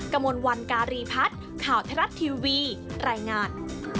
กระมวลวันการีพัฒน์ข่าวทรัฐทีวีรายงาน